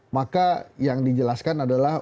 maka yang dijelaskan adalah